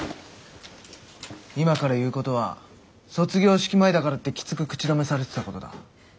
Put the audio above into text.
今から言うことは卒業式前だからってきつく口止めされてたことだ。